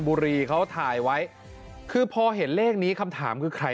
เบิร์ทยาวไง